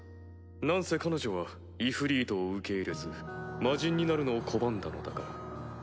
何せ彼女はイフリートを受け入れず魔人になるのを拒んだのだから。